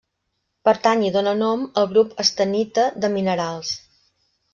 Pertany i dóna nom al grup estannita de minerals.